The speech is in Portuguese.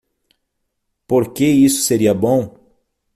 Por que isso seria bom?